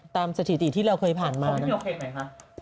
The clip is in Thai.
ตามสถิติที่เราเคยผ่านมานะเขาไม่มีโอเคไหมคะ